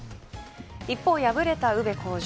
一方敗れた宇部鴻城。